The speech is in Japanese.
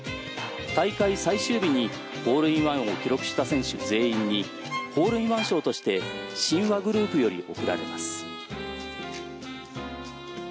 大会最終日にホールインワンを記録した選手全員にホールインワン賞として信和グループより贈られます。